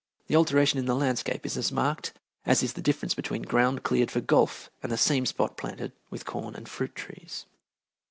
The alteration in the landscape is as marked as is the difference between ground cleared for golf and the same spot planted with corn and fruit trees.